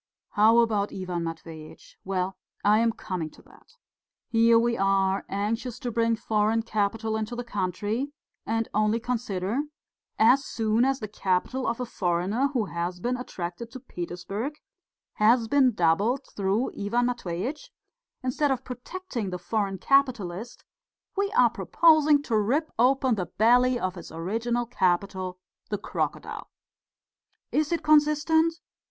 "How about Ivan Matveitch? Why, I am coming to that. Here we are, anxious to bring foreign capital into the country and only consider: as soon as the capital of a foreigner, who has been attracted to Petersburg, has been doubled through Ivan Matveitch, instead of protecting the foreign capitalist, we are proposing to rip open the belly of his original capital the crocodile. Is it consistent?